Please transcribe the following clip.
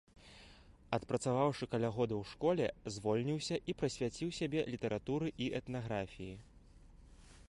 Адпрацаваўшы каля года ў школе, звольніўся і прысвяціў сябе літаратуры і этнаграфіі.